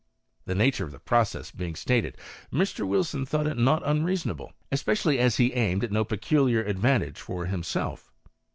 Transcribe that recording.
The nature of the process being stated, Mr. Wilson thought it not unreasonable, especially as he aimed at no peculiar advantage for himself.